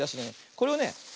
これをね